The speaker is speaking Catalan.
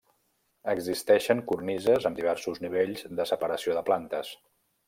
Existeixen cornises amb diversos nivells de separació de plantes.